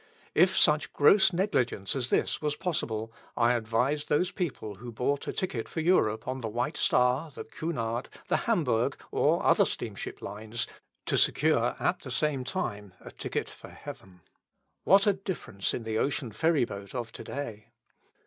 If such gross negligence as this was possible, I advised those people who bought a ticket for Europe on the White Star, the Cunard, the Hamburg, or other steamship lines, to secure at the same time a ticket for Heaven. What a difference in the ocean ferry boat of to day!